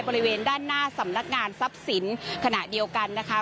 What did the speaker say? บริเวณด้านหน้าสำนักงานทรัพย์สินขณะเดียวกันนะคะ